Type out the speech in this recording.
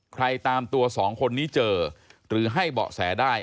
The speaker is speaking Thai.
ตามตัวสองคนนี้เจอหรือให้เบาะแสได้